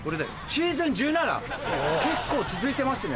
シーズン１７⁉結構続いてますね